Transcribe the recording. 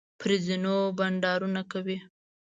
پر زینو بنډارونه کوي.